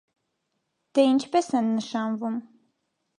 - Դե ի՞նչպես են նշանվում: